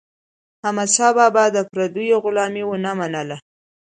احمدشاه بابا د پردیو غلامي ونه منله.